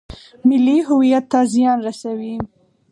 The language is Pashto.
ملي هویت ته زیان رسوي.